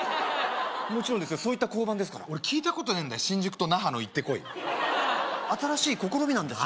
もちろんですそういった香盤ですから俺聞いたことねえんだよ新宿と那覇の行って来い新しい試みなんですよ